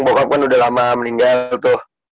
bokap kan udah lama meninggal tuh